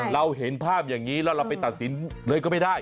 เราเห็นภาพอย่างนี้แล้วเราไปตัดสินเลยก็ไม่ได้